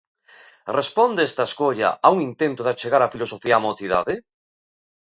Responde esta escolla a un intento de achegar a filosofía á mocidade?